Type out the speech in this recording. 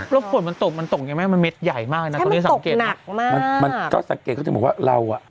แล้วฝนมันตกมันตกอย่างไรมันเม็ดใหญ่มากนะแค่มันตกหนักมากมันก็สังเกตเขาจะบอกว่าเราอ่ะ